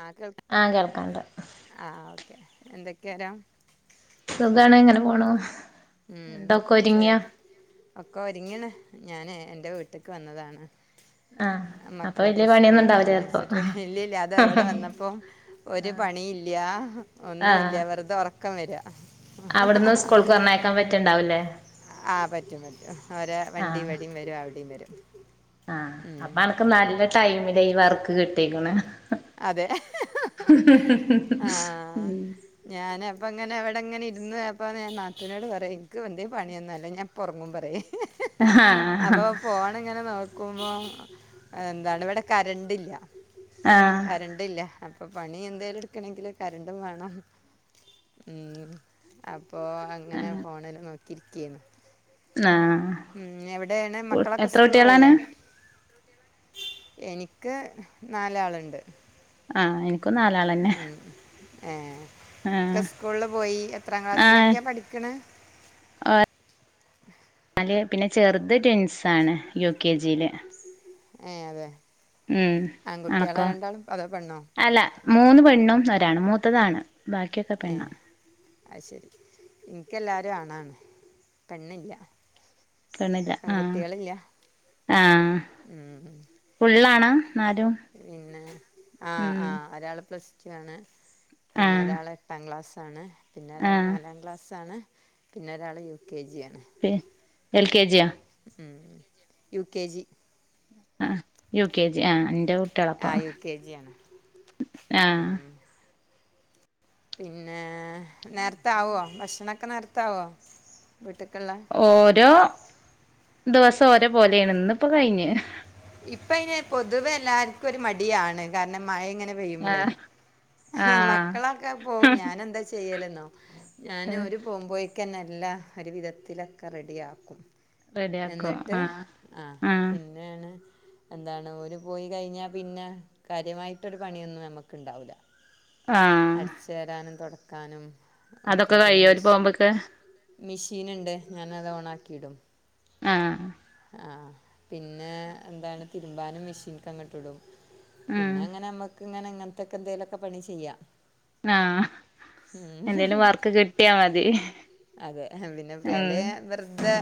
ആഹ് കേൾക് ആഹ് കേൾക്കാണ്ട് ആഹ് എന്തൊക്കെ വരാം സുഖണ് ഇങ്ങനെ പോണു ഉം എന്തൊക്കെ ശരി ഒരുങ്ങിയ ഒക്കെ ഒരിങ്ങ്ണ് ഞാനേ എൻ്റെ വീട്ട്ക്ക് വന്നതാ ആഹ് അപ്പൊ വല്യ മക്കളൊക്കെ പണിയൊന്നും സ്കൂള് ഉണ്ടാവില്ല ചെലപ്പോ പറഞ്ഞയച്ചിട്ട് ഇല്ലില്ല അതവിടെ വന്നപ്പം ഒരു പണീല്ലാ ഒന്നൂല്ല്യ വെറുതെ ഒറ ക്കം വെരാ അവിട്ന്ന് സ്കൂൾക്ക് പറഞ്ഞയക്കാൻ പ റ്റ്ണ്ടാവൂല്ലേ ആഹ് പറ്റും പറ്റും ഓരെ വണ്ടി ആഹ് ഇവിടേം വരും അവിടേം വരും [inaudible] ആഹ് അപ്പ ഉം അനക്ക് നല്ല ടൈമി ദേ ഈ വർക്ക് കിട്ടീക്ക്ണെ അതെ ആഹ് ഞാനപ്പങ്ങനവ ടെ ങ്ങനെ ഇരുന്നേയപ്പം ഞാൻ നാത്തൂനോട് പറയേ ഇക്ക് എന്തേം പണ് യന്നോ അല്ലേ ഞാൻ ഇപ്പൊറങ്ങും പറയേ അഹാഹ ക്കുമ്പൊ എന്താണ് ഇവിടെ കരണ്ടില്ല ആഹ് കരണ്ടില്ല പ്പം പണിയെന്തേല് എട്ക്കണങ്കില് കരണ്ടും വേണം ഉം അ പ്പോ അങ്ങനെ ഫോണില് നോ തിരിക്കേര്ന്ന് ന്നാ ഉം എവിടേണ് മക്കളൊക്കെ സ്കൂള് കുട്ടികളാണ് പോയില്ലേ എനിക്ക് നാലാള്ണ്ട് ആ എനി ക്കും നാലാളന്നെ ആഹ് ക്ക ആഹ് സ്കൂള്ല് പോയി എത്രാ ആഹ് ക്ലാസ്സിലൊക്കയാ പഠിക്ക്ണേ അല്ലയെ പിന്നെ ചെറ്ത് ട്വിൻ സാണ് യു കെ ജില് ഏ അതെ ഉം ആൺകുട്ടികളാ അണക്കോ രണ്ടാളും അതോ പെണ്ണോ അല്ല മൂന്ന് പെണ്ണും ഒരാണും മൂത്തതാണ് ബാക്കിയൊക്കെ പെണ്ണാ അയ്ശരി ഇൻക്കെല്ലാരും ആണാണ് പെണ്ണില്ല പെണ്ണില്ല ആ പെൺകുട്ടികളില്ല ആ ഉം. ഫുള്ളാണാ പിന്നെ ആ ഉം ആ ഒരാള് പ്ലസ് ക്ക്യാണ് പിന്നെ ആഹ് ഒരാള് എട്ടാം ക്ലാസ് ആണ് പിന്നെ ഒരാള് ആഹ് നാലാ ക്ലാസ്സാണ് പിന്നെ ഒരാള് യു കെ ജിയാ തെ എൽ കെ ജിയാ മ് യു കെ ജി ആഹ് യു കെ ജി ആ അ ന്റെ ആ കുട്ട്യേളപ്പം യു കെ ജി ആണ് ആ പിന്നേ നേര്ത്താവോ ഭക്ഷണൊക്കെ നേര്ത്താവോ ഓരോ ദെവസം ഓരോ പോലെയാണ് ന്ന്പ്പം കഴിഞ്ഞ് ഇപ്പയിന് പൊതുവെ എല്ലാർക്കൊരു മടിയാണ് കാരണം മഴെങ്ങനെ പെയ്യുമ്പളേ ആഹ് ആഹ് മക്കളൊക്കെ പോവും ഞാനെന്താ ചെയ്യ് യ്യല്ന്നോ ഞാാന് ഒരു പോം പോയ് ക്കനെല്ലാ ഒരു വിധത്തിലൊക്കെ റെഡിയാക്കും റെഡിയാക്കും എന്നിട്ട് ആഹ് ആഹ ആഹ് പിന്നാണ് എന്താണ് ഓര് പോയി കഴിഞ്ഞാ പിന്നെ കാര്യമായിട്ടൊരു പണിയൊന്നും നമ്മക്ക്ണ്ടാവൂല ആഹ് അട്‌ച്ചേരാനും തൊട്‌ കാനം അതൊക്കെ കഴിയോ വര് പോകുമ്പക്ക് മിഷീന്ണ്ട് ഞാനത് ഓണാക്കീടും ആഹ ആ പിന്നെ എന്താണ് തിരുമ്പാനും മെഷീൻക് അങ്ങട്ട് ഇടും ഉം പിന്നെ എങ്ങനെമ്മക്ക് ഇങ്ങനെ അങ്ങനത്തെൊക്കെ എന്തെങ്കലുമൊക്കെ പണി ചെയ്യാം ആഹ് എന്തേലും വർക്ക് കിട്ടിയാ മതി അതെ പിന്നെ ഉം ഫ്രീയാലെ വെറതെ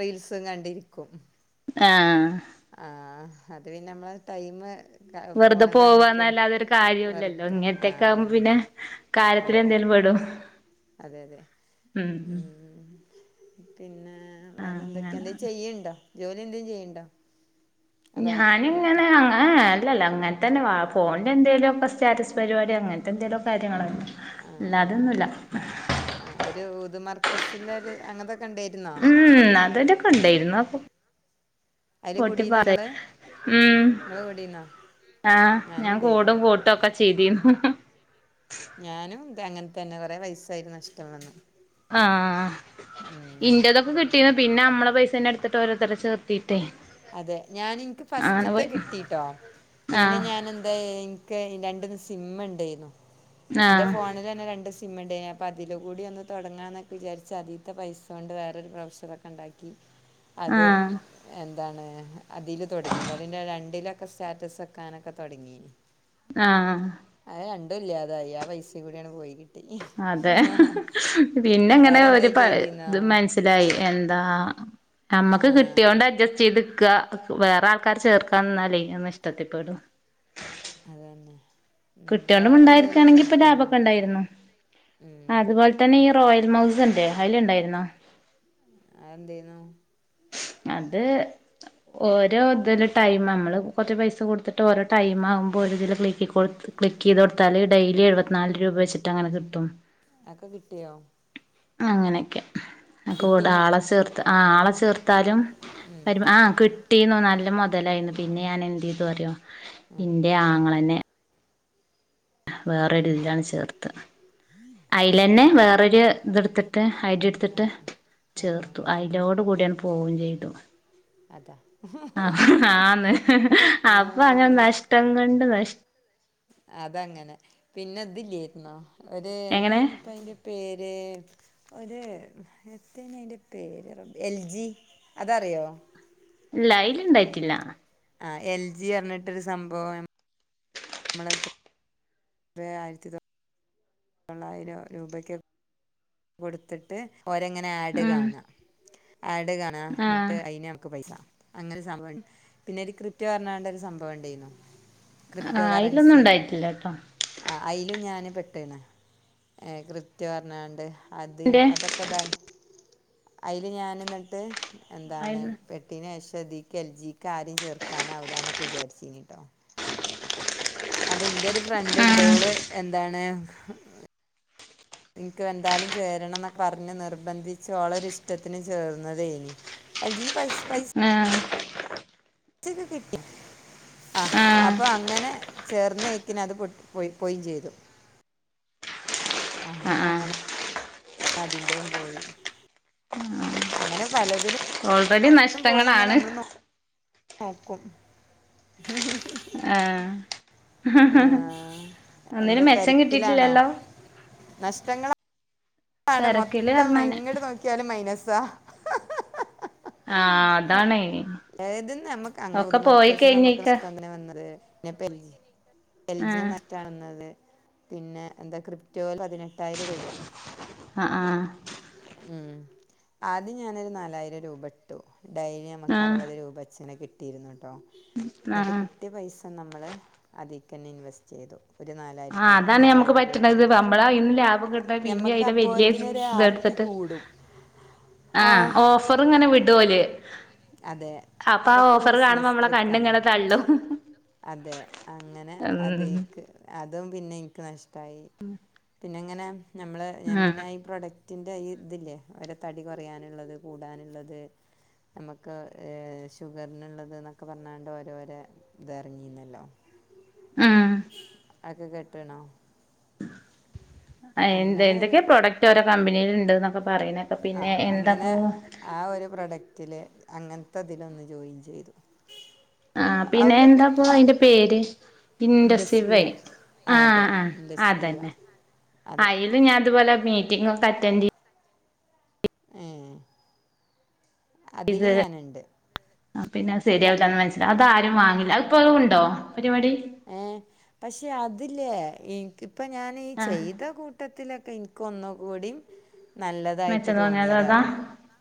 റീൽസ കണ്ടിരിക്കും കൊ ആഹ ആഹ അത് പിന്നെ നമ്മള് ടൈമു വെറുതെ പോവാന്നല്ലാതൊരു കാര്യമല്ലല്ലോ വെറുതെ ആ ഇങ്ങനത്തക്കെ ആകുമ്പോ അതന്നെ പിന്നെ കാര്യത്തി അതെ എന്തെങ്കലിലും പെടും അതെ അതെ ഉം ഉ പിന്നെ ആഹ് വേറെ എന്തൊക്കെ അങ്ങനെ എണ്ടെ ചെയ്യുണ്ടോ ജോലി എന്തേചെയ്യിണ്ടോ ഞാന ഇങ്ങനെ അങ്ങ അല്ലല്ല അങ്ങനെ തന്നൊ ഫോണിന്റെ എന്തേലുമൊക്ക സ്റ്റാറ്റസ് പരിപാടി അങ്ങനത്തെ എന്തേലിലും കാര്യങ്ങളോ ആ ഇല്ല ആ ആ അതൊന്നുമല്ല മർകസിന്റെ രു അങ്ങനത്തെെ ഉം അതലൊക്കെ ഉണ്ടായിരുന്നു ആ അതില് പ്പൊട്ടി കൂടീന്നോ ഇങ്ങള് ഉ ഇങ്ങള് കൂടീന്നോ ആ ഞാനും ഞാൻ കൂടും ഉണ്ടായിരുന്നു കൂട്ടിം ഒക്കെ ചെയ്‌തിനി ഉ ഞാനും അങ്ങനെ തന്നെ കൊറെ പൈസ അതിൽ നഷ്ടം വന്ന് ആ ഇന്ടെദൊക്കെ കിട്ടി പിന്നെ നമ്മളെ പൈസ ന്നെ എടുത്തിട്ട് ഓരോരതരേ ചെർത്തിട്ട് അതെ ഞാൻ എനിക്ക് ഫസ്റ്റത്തെ പോയി കിട്ടിട്ടോ പിന്നെ ആഹ് ഞൻ എന്താ ഇന്ക്ക് രണ്ടൂന്ന് സിം ഇണ്ടായിനു ഇന്റെ ആഹ് ഫോണില് തന്നെ രണ്ട് [unintelligible] അപ്പം അതിലൂടെ ഒന്ന് തുടങ്ങാ എന്നൊക്കെ വിചാരിച്ച് അതീത്തെ പൈസൊണ്ട് വേറെ ബ്രൗഷർ ഓക്കെ ഇണ്ടാക്കി അത് ആഹ് എ അതാണ് അതില് തുടങ്ങീതാ അതിന്റെ രണ്ടിലൊക്കെ സ്റ്റാറ്റസ് വെക്കാനൊക്കെ തുടങ്ങീന്. ആഹ് രണ്ടും ഇല്ലാതായി ആ പൈസകൂടി അങ്ങട് പോയി കിട്ടി അതെ പിന്നെ ഇങ്ങനെ ഒരു വേറെന്തേലും ചെയ്തീന്നോ ഇതും മനസ്സിലായി എന്താ നമ്മക്ക് ആഹ് കിട്ടിയോണ്ട് അഡ്ജസ്റ്റ് ചെയ്ത്ക്ക വേറെ ആൾക്കാരെ ചേർക്കാ നിന്നാലേ അത് നഷ്ടത്തിപ്പെടും. അതന്നെ ഉം കിട്ടിയോണ്ട് വേറെന്തേലും മിണ്ടായിരിക്കയാണെങ്കിൽ ഇപ്പൊ നോക്കീന്നോ ലാഭമൊക്കെ ഇണ്ടായിരുന്നു ഉം അതുപോലെ തന്നെ ഈ റോയൽ മൗസ്ന്റെ അയിൽ ഇണ്ടായിരുന്നോ? അന്തേനു? അത് ഓരോ ഇതില് ടൈം നമ്മള് കൊറച്ച് പൈസ കൊടുത്തിട്ട് ഓരോ ടൈം ആകുമ്പോ ഒരിതില് ക്ലിക്ക് ക്ലിക്ക് ചെയ്ത് കൊടുത്താല് ഡെയിലി എഴുപത്തിനാല് രൂപ വെച്ചിട്ട് അങ്ങനെ കിട്ടും. അതൊക്കെ കിട്ടിയോ? അങ്ങനെയൊക്കെ ആ കൂടെ കിട്ടീന്നോ ആളെ ചേർത്ത ആഹ ആളെ ചേർ ത്താലും ഉം വരു ആ കി ട്ടീന്ന് നല്ല മുതലായിരുന്നു പിന്നെ ഞാൻ എന്ത് ചെയ്തുന്നറിയോ? ആഹ് ഇന്റെ ആങ്ങളനെ വേറൊരു ഇതിലാണ് ചേർത്ത് അയിലന്നെ ഏഹ് വേറൊരു ഇതെടുത്തിട്ട് ഐഡി എടുത്തിട്ട് ആഹ് ചേർത്തു ആഹ് ആഹ് അയിലോട് കൂടിയാണ്ട് പോവും ചെയ്തു. അതാ ആ ആന്ന് അപ്പൊ അങ്ങനെ ആഹ് നഷ്ടം കൊണ്ട് നഷ് അതങ്ങനെ പിന്നെ ഇതിലേർന്നാ? ഒരു എങ്ങനെ എന്തേനിപ്പോ അയിന്റെ പേര് ഒരു എന്തേനി അയിൻ്റെ പേര് റബ്ബേ എൽ ജി അതറിയോ? ഇല്ല അയിലിണ്ടായിട്ടില്ല. ആ എൽ ജി പറഞ്ഞിട്ടൊരു സംഭവം. നമ്മള ത് ആയിരത്തി തൊ ള്ളായിരം രൂപയ്ക്ക് കൊടുത്തിട്ട് ഓരങ്ങനെ ആഡ് ഉം കാണാ. ആഡ് കാണാ ആ നിട്ട് അയിന് നമ്മക് പൈസ. അങ്ങനെ സംഭവം പിന്നെ ഒരു ക്രിപ്റ്റോ പറഞ്ഞാണ്ട ഒരു സംഭവം ഉണ്ടായിനു. ആ ക്രിപ്റ്റോ അയിലൊന്നും കറൻസി ഉണ്ടായിട്ടില്ല ട്ടോ അയില് ഞാനും പെട്ടേനെ ഏ ക്രിപ്റ്റോ പറഞ്ഞാണ്ട് ആദ്യം ന്റെ അതൊക്കെതായി അയില് ഞാൻ എന്നിട്ട് എന്താണ് അയിന്ന് പട്ടീനെ അഴിച്ച് [unintelligible] എൽ ജിക്ക് കാര്യം ചേർക്കാനാവില്ല എന്നൊക്കെ വിചാരിച്ചിനിട്ടോ അപ്പൊ ഇന്റെ ഒരു ഫ്രണ്ട് ആ ഉണ്ട് ഓള് എന്താണ് നിനക്ക് എന്തായാലും ചേരണം എന്നൊക്കെ പറഞ്ഞ് നിർബന്ധിച്ചോളൊര് ഇഷ്ടത്തിനും ചേർന്നതയേനി എൽജിന്ന് പൈസ ആ അതും ഒക്കെ കിട്ടി ആ ആഹ് അപ്പൊ അങ്ങനെ ചേർന്നേക്കിന് അത് പൊട്ടി പോയി പോയേം ചെയ്തു ആ ആഹ് ആഹ് അങ്ങനെ അതിന്റെയും പോയി അങ്ങനെ പലതിലും ഓൾറെഡി പോയി ഇങ്ങനെ നഷ്ടങ്ങളാണ് നമ്മള് നോക്കും ആ ഒന്നിനും മെച്ചം കിട്ടിട്ടില്ലല്ലോ നഷ്ടങ്ങളാ ആണ് തിരക്കില് മൊത്തം പറഞ്ഞാല് എങ്ങട് നോക്കിയാലും മൈനസ് സ ആ അതാണേ ഏതും നമുക്ക് അങ്ങ ഒക്കെ ഊദ് പോയി മർകസ് നമുക്ക് കഴിഞ്ഞേക്ക നഷ്ടം തന്നെ വന്നേ അത് ഞാ പെ എൽ ജി ടെ ആഹ് നെറ്റാണ് നല്ലേ പിന്നെ എന്താ ക്രിപ്റ്റോ പതിനെട്ടായിരം രൂപ ആഹ് ആഹ് ഉം ആദ്യം ഞാനൊരു നാലായിരം രൂപ ഇട്ടു. ഡൈ ആഹ് അറുപത് രൂപ വച്ച്ന്നെ കി ട്ടിരുന്ന് കേട്ടോ എന്നിട്ട് ആഹ് കിട്ടിയ പൈസ നമ്മള് അതിൽ തന്നെ ഇൻവെസ്റ്റ് ചെയ്തു ഒരു ആ നാലായിരത്തി അതാണ് ഞമ്മക്ക് നാലായിരം രൂപ പറ്റണ്ത് കൂടി നമ്മടെ ഇന്ന് ലാഭം കിട്ട പിന്ന നമുക്ക് അതില് വലിയ അപ്പോഴത്തിനൊരു ആർത്തി ഇതെടുത്തിട്ട് കൂടും ആ ഓഫർ ഇങ്ങനെ വിടും ഓല് അതെ അപ്പൊ ആ ഇതൊക്കെ ഒരു ഓഫർ കാണുമ്പോ ബിസിനസ് നമ്മളെ ട്രിക്കാണ് കണ്ണിങ്ങനെ തള്ളും അതെ അങ്ങനെ ഉം അതീക്ക് അത് അതും പിന്നെ ഇൻക്ക് നഷ് ട്ടായി പിന്നെങ്ങനെ നമ്മള് ഞാൻ ഉം പിന്നെ ഈ പ്രൊഡക് റ്റിന്റെ ത് ല്ല്യെ ഓര തടി കുറയാന്ള്ളത് കൂടാന്ള്ളത് നമക്ക് ഷുഗർന്ള്ളത് ന്നൊക്കെ പർഞ്ഞാണ്ട് ഓരോരോ തർങ്ങീനല്ലോ ആഹ് അക്ക കെട്ട്ണോ എന്ത്‌ ഒരു എന്തൊക്ക്യോ പ്രോഡക്റ്റ് ഓരോ കമ്പനിൽ ണ്ട് ന്നൊക്കെ പറിണേക്ക ആ പിന്നെ അങ്ങനെ എന്താപ്പോ അങ്ങൻത്തതിലൊന്ന് ജോയിൻ ചെയ്തു ആഹ് പിന്നെ അവിടെ എന്താപ്പൊ പിന്നെ അയ്ന്റെ പേര് ഇൻഡസ് ഇൻറസ്സീവെ വിവ ആ അതെ ആഹ് ആ ഇൻഡസ് വിവ അതെന്നെ. ആ അതെ ഇത് ഞാ അതുപോലെ മീറ്റിങ്ങൊക്ക അറ്റൻഡെയ് ഏഹ് അതില് ഞാന്ണ്ട് ആ പിന്നെ ശരിയാവുലാ മനസിലാ അത് ആാരും വാങ്ങില അ പ്പഴു ണ്ടോ ഏ പക്ഷെ അത് അതില്ലേ ഇൻക്ക് പ്പം ഞാന് ഈ ആഹ് ചെയ്ത കൂട്ടത്തിലൊക്കെ ഇൻ കൊന്നുകൂടിം നല്ലതായിട്ട് തോന്നിയത് അതാ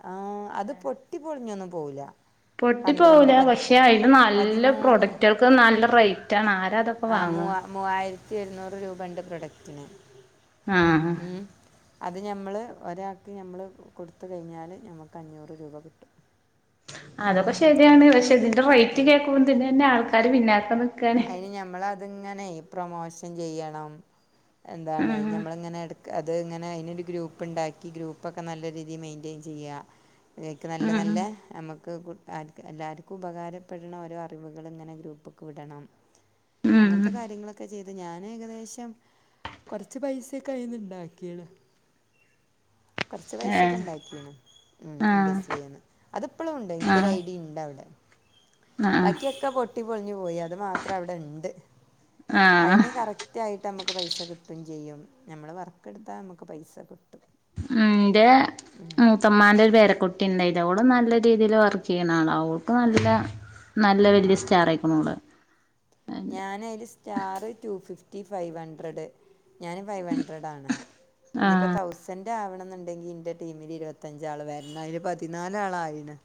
ആ അത് പൊട്ടി പൊൾഞ്ഞൊന്നും പോല പൊട്ടി പോവുല പക്ഷെ അയ്ന് നല്ല പതിമൂന്ന് പ്രൊഡക്റ്റൾക്ക് നല്ല റേറ്റ ആണ് ആ ആ മൂവ മൂവായിര്ത്തി ഒര്ന്നൂറ് രൂപ ണ്ട് പ്രൊഡക് റ്റിനെ ആഹ് അത് ഞമ്മള് ഒരാക്ക് നമ്മള് കൊട്ത്ത് കയ്ഞ്ഞാൽ ഞമക്ക് അഞ്ഞൂറ് രൂപ ക്ട്ടും അതൊക്കെ ശരിയാണ് പക്ഷെ തിന്റെ റൈറ്റ് കേക്കുമ്പോ തന്നെ ന്നെ ആൾക് കാര് പിന്നാക്ക അയ്ന് ഞമ്മളത്ങ്ങനെയ് പ്രൊമോഷ ശൻ ചെയ്യണം എന്താണ് ഉം ഞമ്മള് ങ്ങനെ എട് അത് ങ്ങനെ അയ്നൊരു ഗ്രൂപ്പ്ണ്ടാക്കി ഗ്രൂപ്പൊക്കെ നല്ല രീതി മെയ്ന്റെയ്ൻ ചെയ്യാ ഇതൊക്കെ നല്ല നല്ല ഉം ഞമ്മ- ഗ്രൂപ്പ്ക്ക് ആർക്ക് എല്ലാവർക്കും ഉപകാരപ്പെടുന്ന ഓരോ അറിവുകളിങ്ങനെ ഗ്രൂപ്പക്ക് വിടണം അങ്ങനത്തെ ഉം കാര്യങ്ങളൊക്കെ ചെയ്ത് ഞാൻ ഏകദേശം കൊറച്ച് പൈസൊക്കെ അയിന്നിണ്ടാക്കിയാണ് കൊറച്ച് ഏഹ് പൈസൊക്കെണ്ടാക്കിയാണ് ഉ ആഹ് ഇൻഡസ്രിന്ന് അത് എപ്പൊളൂണ്ട് എനിക്കൊരു ആഹ് ഐഡിയ ഇണ്ടവിടെ ആഹ് ബാക്കിയൊക്കെ പൊട്ടി പൊളിഞ്ഞു പോയി അത് മാത്ര- ത്രം അവിടെ ഇണ്ട്. ആഹ് അയിന് കറക്- കൃത്യായിട്ട് മ്മക്ക് പൈസ കിട്ടും ചെയ്യും ഞമ്മള് വർക്കെടുത്താ നമുക്ക് പൈസ കിട്ടും. ന്റെ മൂത്തമ്മാന്റെ ഒരു പേരകു- ക്കിണ്ടായിത ഓള് നല്ല രീതിയിൽ വർക്ക് ചെയ്യണണാള ഓൾക്ക് നല്ല നല്ല വല്യ സ്റ്റാർ ആയിക്കണ് ഓള് ഞാന് അയില് സ്റ്റാർ റ്റുഫിഫ്- ഫിഫറ്റി ഫൈവ് ഹൺഡ്രഡ് ഞാന് ഫൈവ്ഹൺഡ്രഡ് ആണ് ആഹ് ഇനിയിപ്പോ തൗസൻറ് ആവണന്നുണ്ടെങ്കി ഇന്റെ ടീമില് ഇരുപത്തഞ്ചാള് വരണം അതിന് പതിനാലാളായിന്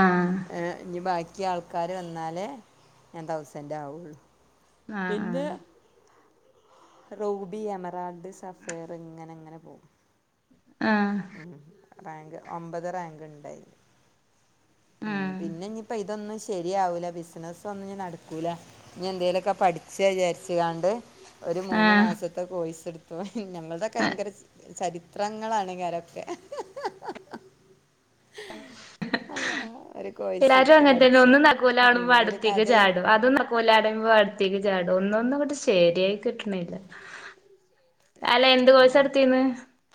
ആഹ് ആഹ് നിബാക്കി തിയ ആൾക്കാര് വന്നാലേ ഞാൻ തൗസൻറ് ആവുള്ളു. ആഹ് ആഹ് റൂബി എമറാൾഡ് സഫേറ് ഇങ്ങനെ അങ്ങനെ പോം. ആഹ് റാങ്ക് ഒമ്പത് റാങ്ക് ഇണ്ടായി- ഉം ആഹ് പിന്നെ ഇനിപ്പൊ ഇതൊന്ന്ശെ ശരിയാവൂല്ല ബിസിനസ്സൊന്നും ഇനി നടക്കൂല ഇനി എന്തേലൊക്കെ പഠിച്ച വിചാരിച്ച കാണ്ട്. ഒരു മൂന്ന് ആഹ് മാസത്തെ കോഴ്സ് എട് ഇപ്പൊ ഞങ്ങളുടൊക്കെ ആഹ് ഭയങ്കര ചരിത്രങ്ങളാണ് കരം- അള്ളാ ഒരു കോഴ്സ് എല്ലാരും എടുത്ത് അങ്ങനത്തന്നെ പഠിച്ചു ഒന്നും നക്കൂല്ല ഉം ആണുമ്പോ ഒരു അടുത്തേക്ക് കഥ ചാടും അതും നക്കോലാട്പോ അട്ത്തേക്ക്- ട ഒന്നൊന്നും അങ്ങട്ട് ശരിയായി കിട്ടണില്ല. അല്ല എന്ത് ആ കോഴ്സെടുത്തീന്ന്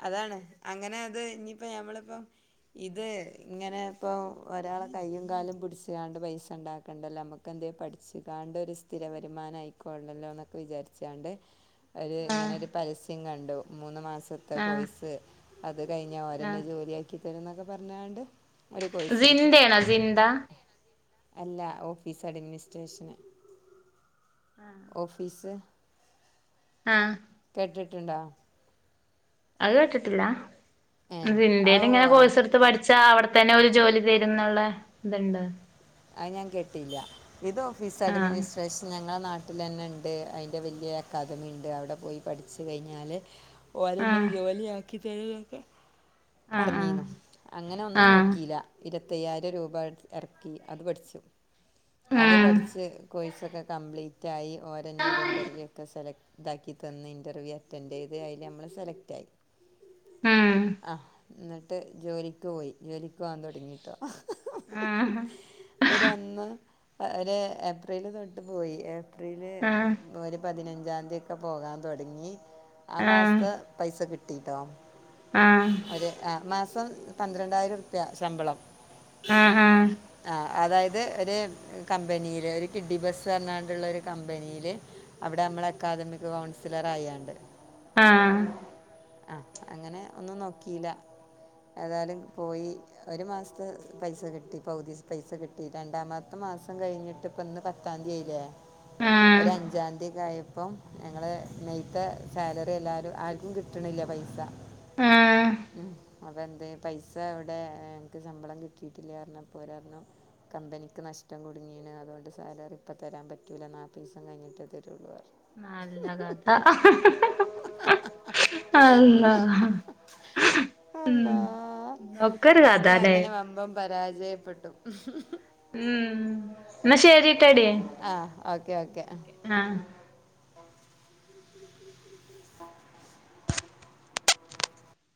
അതാണ് അങ്ങനെ അത് ഇനിയിപ്പോ ഞമ്മളിപ്പോ ഇത് ഇങ്ങനെ ഇപ്പൊ ഒരാളെ കയ്യും കാലും പിടിച്ച്കാണ്ട് പൈസ ഉണ്ടാക്കണ്ടല്ലോ നമ്മുക്ക എന്തേലും പഠിച്ച്കാണ്ട് ഒരു സ്ഥിര വരുമാനം ആയിക്കോണ്ടല്ലോ എന്നൊക്കെ വിചാരിച്ചാണ്ട് ഒര് ആഹ് ഇങ്ങനൊരു സ്യംകണ്ടു മൂന്ന് മാസം ത്തെ ആഹ് കോയിസ് അത് കഴിഞ്ഞ ഓരന്നെ ആഹ് ജോലിയാക്കി- തരോന്നൊക്കെ പറഞ്ഞാണ്ട് ഒരു കോഴ്സ് എടുത്തു സിന്ദേണ സിന്ദ അല്ല ഓഫീസ് അഡ്മിനിസ്ട്രേഷന്. ഓഫിസ് ആ കേട്ടിട്ടുണ്ടോ അഹ് കേട്ടിട്ടില്ല ഏ ആ ഓ സിന്ദീലിങ്ങനെ ആ കോഴ്സ്ട്ത്ത് പഠിച്ചാ അവിടെത്തന്നെ ഒരു ജോലി തരും ന്നുള്ള ത്ണ്ട് അയ് ഞാൻ കെട്ടിയില്ല ഇത് ഓഫീസ് ആഹ് അഡ്മിനിസ്ട്രേഷൻ ഞങ്ങളെ നാ ട്ടിലെന്നെണ്ട് അതിന്റെ വല്യ അക്കാദമി ണ്ട് അവിടെ പോയി പഠിച്ചു കയിഞ്ഞാല് ഓലെന്നെ ആഹ് ജോലിയാ ക്കി തര്വക്കെ ആഹ് പറഞ്ഞീന്നു അങ്ങനെ ഒന്നും ആഹ് നോക്കിയില്ല ഇര ത്തയ്യായിരം രൂപ എട് എർക്കി അത് പഠിച്ചു അത് ആഹ് പഠിച്ച് കോയ് സൊക്കെ കംപ്ലീറ്റായി ഓരന്നെരു ഇൻറർവൂ ഒക്കെസെലക്ട് താക്കി തന്ന് ഇന്റർവ്യൂ അറ്റന്റെയ്‌ത് അയില് നമ്മള് സെലക്‌റ്റായി ഉം അ ന്നിട്ട് ജോലിക്ക് പോയി ജോലിക്ക് പോവാൻ തുടങ്ങിട്ടോ ആഹ ഒരൊന്ന് ഒരു ഏപ്രില് തൊട്ട് പോയി എ പ്രില് ആഹ് ഒരു പതിനഞ്ച് ഞ്ചാന്തിയൊക്കെ പോകാൻ തൊടങ്ങി ആ മാസ്ത പൈസ കിട്ട് ട്ടിട്ടോ ആഹ് ആഹ് അതെ ആ മാസ പ പന്ത്രണ്ടായിരറുപ്യ ശമ്പളം ആഹ് ആ അതായത് ഒരു കമ്പനില് ഒരു കിഡ്ഡിബസ് പറഞ്ഞാണ്ടുള്ള ഒരു കമ്പനില് അവിടെ അമ്മൾ അക്കാദമിക് കൗൺസിലറായാണ്ട് ആ ആ അങ്ങനെ ഒന്നും നോക്കിയില്ല ഏതായാലും പോയി ഒരു മാസത്തെ പൈസ കിട്ടി പഉതീസ് പൈസ കിട്ടി രണ്ടാമത്തെ മാസം കഴിഞ്ഞിട്ട് പ്പന്ന് പത്താന്തി ആയിലെ ആഹ് ഒരഅഞ്ചാംതിയൊക്കായ പ്പം ഞങ്ങള് നെയ്ത്ത സാലറി എല്ലാവരും ആർക്കും കിട്ടണില്ല പൈസ ആഹ് ഉം അതെന്തെ പൈസ എവടെ അൻക്ക് ശമ്പളം കിട്ടിയിട്ടില്ല പറഞ്ഞപ്പോൾ ഒരാ ന്നും കമ്പനിക്ക് നഷ്ടം കുടുങ്ങീണ് അതുകൊണ്ട് സാലറി ഇപ്പതരാൻ പറ്റൂല നാപീസം കഴിഞ്ഞിട്ടേ തരുള്ളു നല്ല കഥ അള്ളാ ഉം അല്ലാ ഒക്കൊരു കഥ ലേ ജയപ്പെട്ടു [inaudible] ഉം ന്ന ശരി ആഹ് ഓക്കെ ഓക്കെ ആ ആഹ്